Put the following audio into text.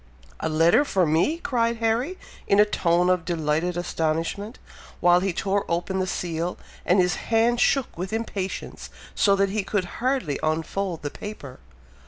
"A letter for me!!" cried Harry, in a tone of delighted astonishment, while he tore open the seal, and his hand shook with impatience, so that he could hardly unfold the paper.